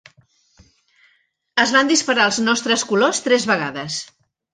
Es van disparar els nostres colors tres vegades.